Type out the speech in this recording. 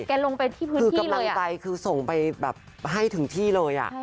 กำลังใจคือส่งไปแบบให้ถึงที่เลย